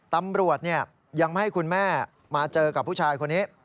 ตำรวจยังไม่ให้คุณแม่มาเจอกับผู้ชายคนนี้